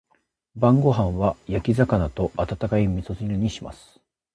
晩ご飯は焼き魚と温かい味噌汁にします。